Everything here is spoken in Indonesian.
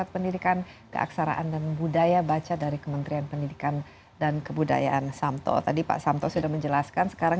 kita orangnya tiga puluh enam jadi lebih baik dari brazil dan jerman